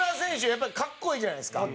やっぱり格好いいじゃないですか。